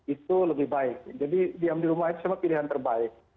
itu lebih baik jadi diam di rumah itu semua pilihan terbaik